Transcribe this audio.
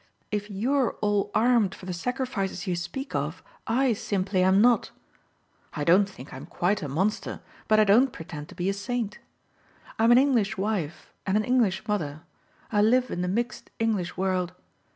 If you're all armed for the sacrifices you speak of I simply am not. I don't think I'm quite a monster, but I don't pretend to be a saint. I'm an English wife and an English mother I live in the mixed English world.